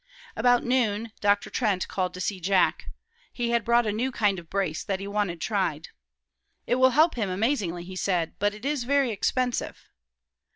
About noon Dr. Trent called to see Jack. He had brought a new kind of brace that he wanted tried. "It will help him amazingly," he said, "but it is very expensive."